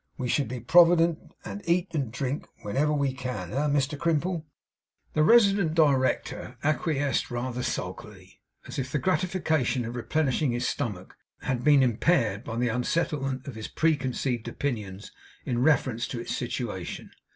We should be provident, and eat and drink whenever we can. Eh, Mr Crimple?' The resident Director acquiesced rather sulkily, as if the gratification of replenishing his stomach had been impaired by the unsettlement of his preconceived opinions in reference to its situation.